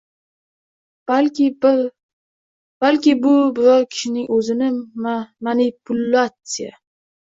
balki bu biror kishining o‘zini manipulyatsiya